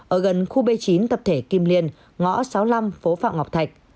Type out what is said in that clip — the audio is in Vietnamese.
ở gần khu b chín tập thể kim liên ngõ sáu mươi năm phố phạm ngọc thạch